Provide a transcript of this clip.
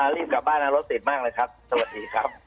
รีบกลับบ้านนะรถติดมากเลยครับสวัสดีครับ